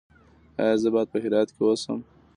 ایا زه باید په هرات کې اوسم؟